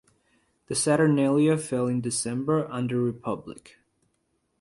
The Saturnalia fell in December under the Republic.